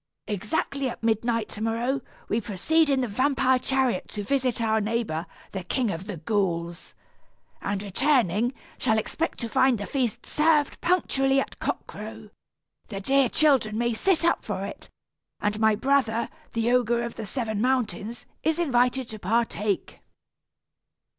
Exactly at midnight to morrow, we proceed in the vampire chariot to visit our neighbor, the King of the Ghouls, and, returning, shall expect to find the feast served punctually at cock crow; the dear children may sit up for it, and my brother, the Ogre of the Seven Mountains, is invited to partake."